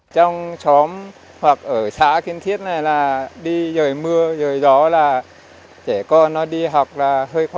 trong chóm hoặc ở xã kiên thiết này là đi dời mưa dời gió là trẻ con nó đi học là hơi khó